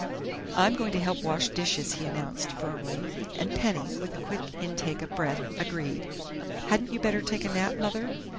"I'm going to help wash dishes," he announced firmly, and Penny, with a quick intake of breath, agreed. "Hadn't you better take a nap, Mother?"